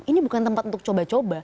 ini bukan tempat untuk coba coba